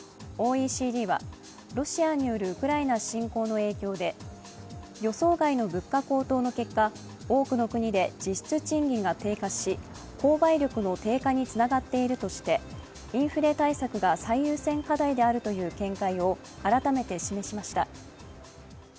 ＯＥＣＤはロシアによるウクライナ侵攻の影響で予想外の物価高騰の結果、多くの国で実質賃金が低下し、購買力の低下につながっているとしてインフレ対策が最優先課題という見解を改めて示しました。